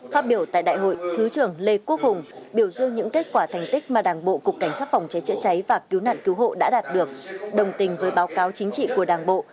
phát biểu tại đại hội thứ trưởng lê quốc hùng biểu dương những kết quả thành tích mà đảng bộ cục cảnh sát phòng cháy chữa cháy và cứu nạn cứu hộ đã đạt được đồng tình với báo cáo chính trị của đảng bộ